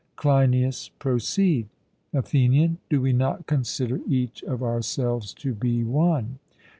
CLEINIAS: Proceed. ATHENIAN: Do we not consider each of ourselves to be one?